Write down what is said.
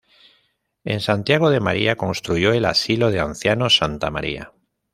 En Santiago de María construyó el asilo de ancianos: Santa María.